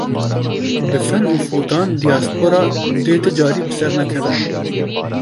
Bi fen û fûtan dîaspora dê ti carî bi ser nekeve.